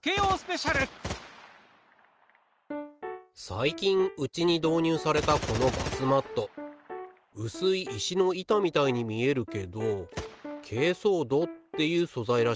最近うちに導入されたこのバスマットうすい石の板みたいに見えるけどけいそう土っていう素材らしい。